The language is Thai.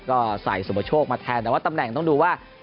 ก็ใส่สุปโชคมาแทนแต่ว่าตำแหน่งต้องดูว่า